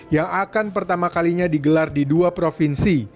yang akan pertama kalinya digelar di dua provinsi